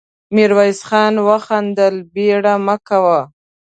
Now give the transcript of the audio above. ميرويس خان وخندل: بېړه مه کوه.